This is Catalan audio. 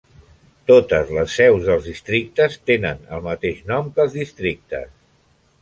Totes les seus dels districtes tenen el mateix nom que els districtes.